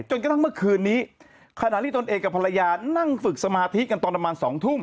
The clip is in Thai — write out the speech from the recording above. กระทั่งเมื่อคืนนี้ขณะที่ตนเองกับภรรยานั่งฝึกสมาธิกันตอนประมาณ๒ทุ่ม